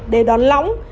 để đón lõng